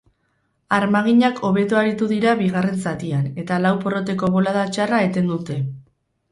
Armaginak hobeto aritu dira bigarren zatian eta lau porroteko bolada txarra eten dute.